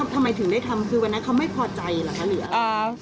ทำไมถึงได้ทำคือวันนั้นเขาไม่พอใจเหรอคะเหลือ